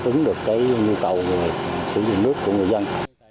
đã đánh được cái nhu cầu sử dụng nước của người dân